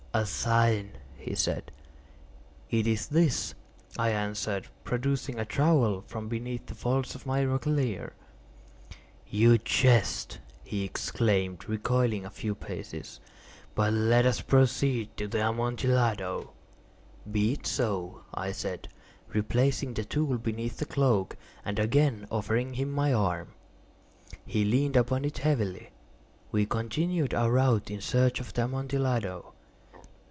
"A sign," he said. "It is this," I answered, producing a trowel from beneath the folds of my roquelaire. "You jest," he exclaimed, recoiling a few paces. "But let us proceed to the Amontillado." "Be it so," I said, replacing the tool beneath the cloak, and again offering him my arm. He leaned upon it heavily. We continued our route in search of the Amontillado.